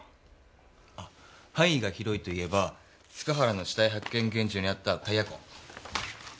あ範囲が広いといえば塚原の死体発見現場にあったタイヤ痕。